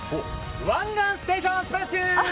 湾岸ステーションスプラッシュ。